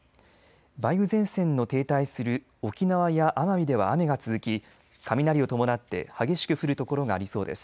梅雨前線の停滞する沖縄や奄美では雨が続き雷を伴って激しく降る所がありそうです。